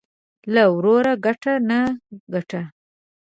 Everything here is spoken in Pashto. له وروره گټه ، نه گټه.